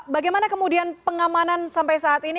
bagaimana kemudian pengamanan sampai saat ini